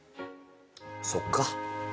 そっか。